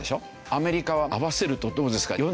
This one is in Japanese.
アメリカは合わせるとどうですか？